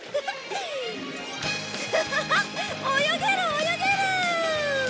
アハハハッ泳げる泳げる！